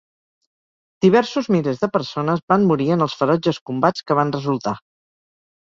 Diversos milers de persones van morir en els ferotges combats que van resultar.